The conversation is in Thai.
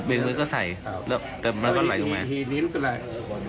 เบียกมือก็ใส่แต่มันบรรลายถูกไหม